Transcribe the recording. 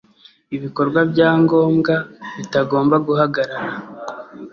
ibikorwa bya ngombwa bitagomba guhagarara